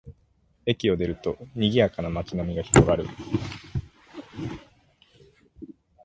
駅を出ると、にぎやかな街並みが広がる